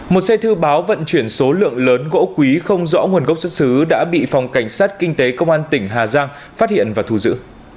một xe thư báo vận chuyển số lượng lớn gỗ quý không rõ nguồn gốc xuất xứ đã bị phòng cảnh sát kinh tế công an tỉnh hà giang phát hiện và thu giữ